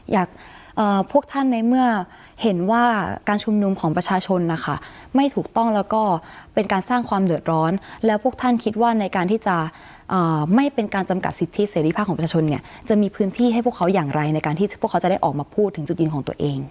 อยากพวกท่านในเมื่อเห็นว่าการชุมนุมของประชาชนนะคะไม่ถูกต้องแล้วก็เป็นการสร้างความเดือดร้อนแล้วพวกท่านคิดว่าในการที่จะไม่เป็นการจำกัดสิทธิเสรีภาพของประชาชนเนี่ยจะมีพื้นที่ให้พวกเขาอย่างไรในการที่พวกเขาจะได้ออกมาพูดถึงจุดยืนของตัวเอง